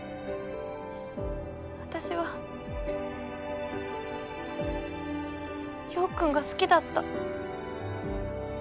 私は陽君が好きだった。